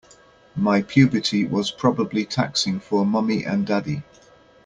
My puberty was probably taxing for mommy and daddy.